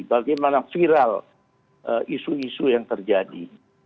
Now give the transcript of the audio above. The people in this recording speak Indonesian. bagaimana viral isu isu yang terjadi